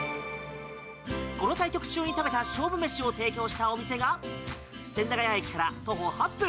この対局中に食べた勝負飯を提供したお店が千駄ケ谷駅から徒歩８分